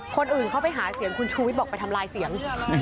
คนอื่นเขาไปหาเสียงคุณชูวิทย์บอกไปทำลายเสียง